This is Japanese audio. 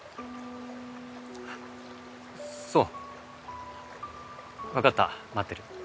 そうわかった待ってる。